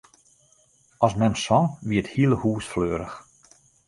As mem song, wie it hiele hûs fleurich.